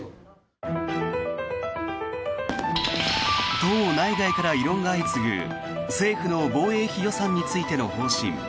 党内外から異論が相次ぐ政府の防衛費予算についての方針。